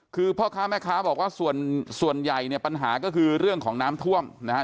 คือพ่อค้าแม่ค้าบอกว่าส่วนใหญ่เนี่ยปัญหาก็คือเรื่องของน้ำท่วมนะฮะ